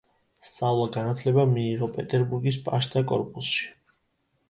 სწავლა-განათლება მიიღო პეტერბურგის პაჟთა კორპუსში.